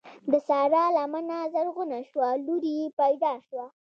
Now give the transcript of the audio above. د سارا لمنه زرغونه شوه؛ لور يې پیدا شوه.